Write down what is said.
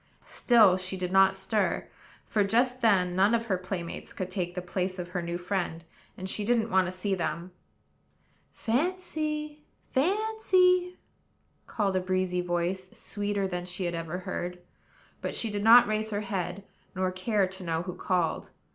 Still she did not stir; for, just then, none of her playmates could take the place of her new friend, and she didn't want to see them. "Fancy! Fancy!" called a breezy voice, sweeter than any she had ever heard. But she did not raise her head, nor care to know who called.